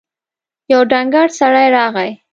يو ډنګر سړی راغی.